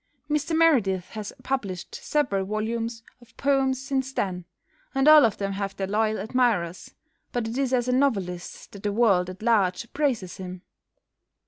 Mr Meredith has published several volumes of poems since then, and all of them have their loyal admirers, but it is as a novelist that the world at large appraises him.